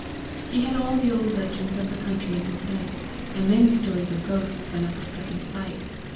He had all the old legends of the country in his head, and many stories of ghosts and of the second sight.